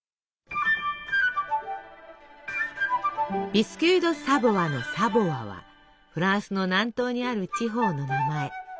ビスキュイ・ド・サヴォワの「サヴォワ」はフランスの南東にある地方の名前。